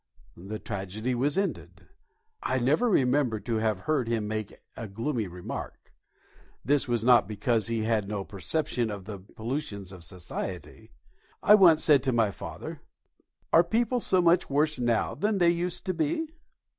The tragedy was ended. I never remember to have heard him make a gloomy remark. This was not because he had no perception of the pollutions of society. I once said to my father, "Are people so much worse now than they used to be?"